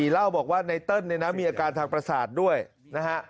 เล่าบอกว่าไนเติ้ลเนี่ยนะมีอาการทางประสาทด้วยนะฮะ